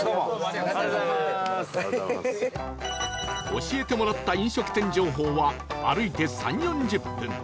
教えてもらった飲食店情報は歩いて３０４０分